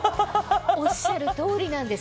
おっしゃる通りなんです。